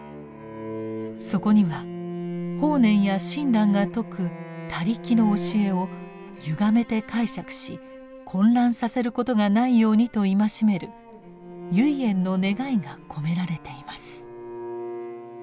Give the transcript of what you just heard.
そこには法然や親鸞が説く「他力」の教えをゆがめて解釈し混乱させることがないようにと戒める唯円の願いが込められています。